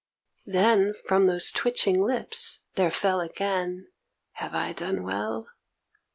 Then from those twitching lips there fell again 'Have I done well?'